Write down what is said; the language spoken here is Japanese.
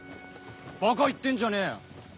バカ言ってんじゃねえよ。